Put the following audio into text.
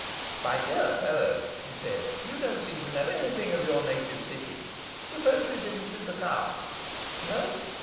'My dear fellow,' he said, 'you don't seem to know anything of your native city. Suppose we visited the Tower? No?